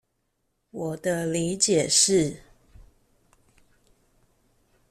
我的理解是